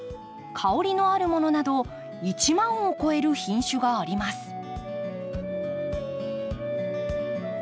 香りのあるものなど１万を超える品種があります。